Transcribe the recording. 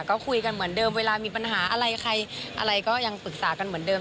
ก็คุยกันเหมือนเดิมเวลามีปัญหาอะไรใครอะไรก็ยังปรึกษากันเหมือนเดิม